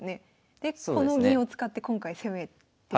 でこの銀を使って今回攻めてくれる。